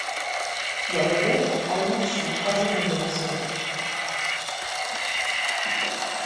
Gallagher annonce un troisième album solo.